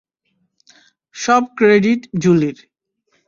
সব ক্রেডিট জুলির।